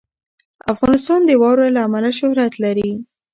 افغانستان د واوره له امله شهرت لري.